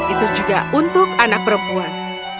itu juga untuk anak perempuan